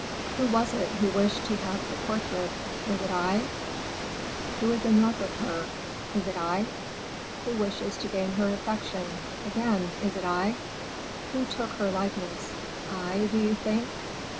Who was it who wished to have her portrait? Was it I? Who is in love with her? Is it I? Who wishes to gain her affection? Again, is it I? Who took her likeness? I, do you think?